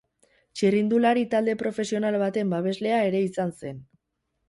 Txirrindulari talde profesional baten babeslea ere izan zen.